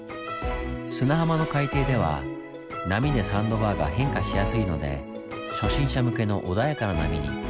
砂浜の海底では波でサンドバーが変化しやすいので初心者向けの穏やかな波に。